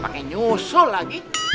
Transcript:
pake nyusul lagi